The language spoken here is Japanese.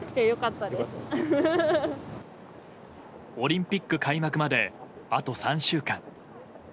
オリンピック開幕まであと３週間。